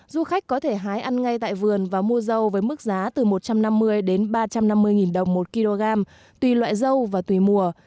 du khách có thể hái ăn ngay tại vườn và mua dâu với mức giá từ một trăm năm mươi đến ba trăm năm mươi đồng một kg tùy loại dâu và tùy mùa